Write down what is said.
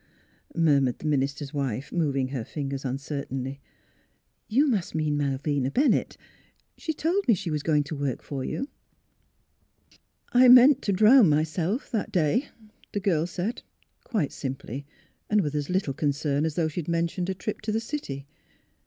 " murmured the minister 's wife, moving her fingers uncertainly. " You must mean Mal vina Bennett. She told me she was going to work for you." " I meant to drown myself that day," the girl said, quite simply, and with as little concern as though she had mentioned a trip to the city.